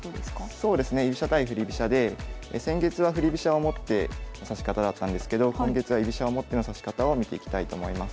そうですね居飛車対振り飛車で先月は振り飛車を持っての指し方だったんですけど今月は居飛車を持っての指し方を見ていきたいと思います。